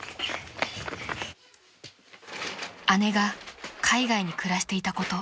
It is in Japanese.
［姉が海外に暮らしていたこと］